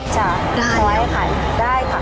ขอให้ขายได้ค่ะ